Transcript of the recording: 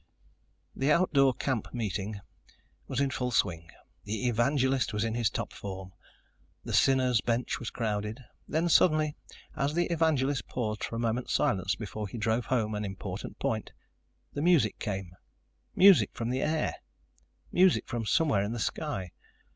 The outdoor camp meeting was in full swing. The evangelist was in his top form. The sinners' bench was crowded. Then suddenly, as the evangelist paused for a moment's silence before he drove home an important point, the music came. Music from the air. Music from somewhere in the sky.